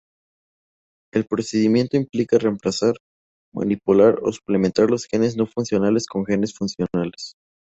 El procedimiento implica reemplazar, manipular o suplementar los genes no funcionales con genes funcionales.